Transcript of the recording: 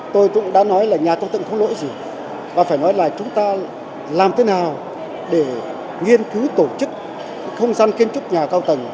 tôi cũng đã nói là nhà cao tầng không lỗi gì và phải nói là chúng ta làm thế nào để nghiên cứu tổ chức không gian kiến trúc nhà cao tầng